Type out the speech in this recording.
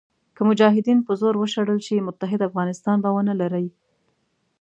که مجاهدین په زور وشړل شي متحد افغانستان به ونه لرئ.